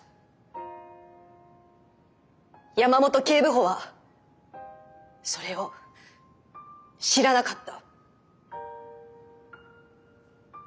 山本警部補はそれを知らなかった。